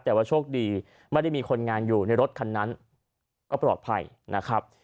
แต่ว่าโชคดีไม่ได้มีคนงานอยู่ในรถคันนั้นก็ปลอดภัยนะครับ